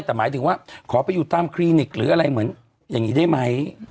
แต่หมายถึงว่าขอไปอยู่ตามคลินิกหรืออะไรเหมือนอย่างนี้ได้ไหม